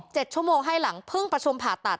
ชั่วโมงให้หลังเพิ่งประชุมผ่าตัด